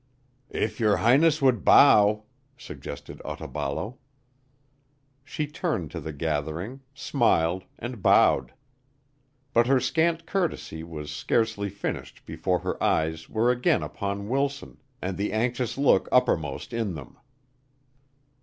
"If your Highness would bow," suggested Otaballo. She turned to the gathering, smiled, and bowed. But her scant courtesy was scarcely finished before her eyes were again upon Wilson and the anxious look uppermost in them.